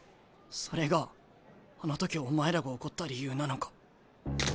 それがあの時お前らが怒った理由なのか？